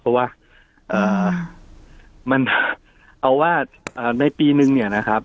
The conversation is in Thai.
เพราะว่ามันเอาว่าในปีนึงเนี่ยนะครับ